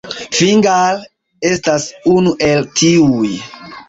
Fingal estas unu el tiuj.